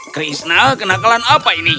krishna kenakalan apa ini